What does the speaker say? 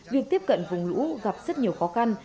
việc tiếp cận vùng lũ gặp rất nhiều khó khăn